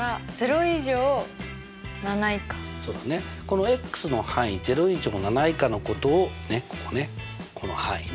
このの範囲０以上７以下のことをねっここねこの範囲